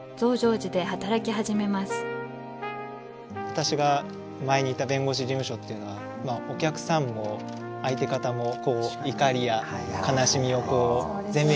私が前にいた弁護士事務所っていうのはお客さんも相手方も怒りや悲しみを前面に出してくる方々なんですね。